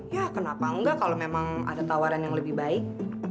ya kenapa enggak kalau memang ada tawaran yang lebih baik